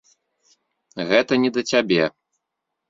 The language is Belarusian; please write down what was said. Гэта не да цябе.